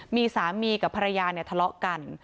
มีสามีกับภรรยาเนี่ยทะเลาะกัน